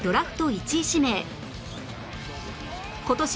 １位指名今年